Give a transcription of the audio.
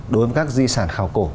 đối với các di sản khảo cổ